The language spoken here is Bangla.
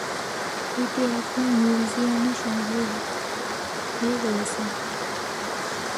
এটি এখনও মিউজিয়ামের সংগ্রহে রয়েছে।